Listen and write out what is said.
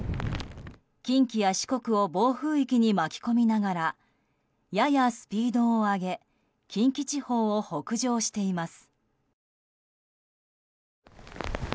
近畿や四国を暴風域に巻き込みながらややスピードを上げ近畿地方を北上しています。